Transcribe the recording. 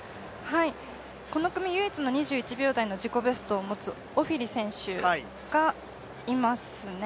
この組唯一の２１秒台の自己ベストを持つオフィリ選手がいますね。